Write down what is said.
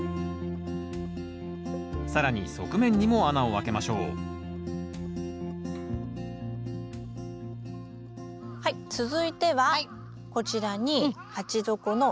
更に側面にも穴をあけましょうはい続いてはこちらに鉢底の石を入れます。